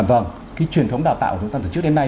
vâng cái truyền thống đào tạo của chúng ta từ trước đến nay